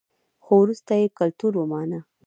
خو وروسته یې کلتور ومانه